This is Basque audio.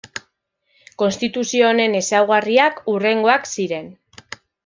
Konstituzio honen ezaugarriak hurrengoak ziren.